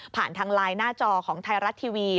ทางไลน์หน้าจอของไทยรัฐทีวี